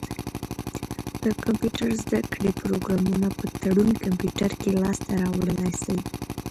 د کمپيوټر زده کړي پروګرامونه په تړون کمپيوټر کي لاسته را وړلای سی.